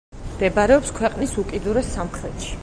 მდებარეობს ქვეყნის უკიდურეს სამხრეთში.